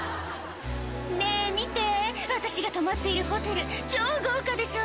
「ねぇ見て私が泊まっているホテル超豪華でしょ？」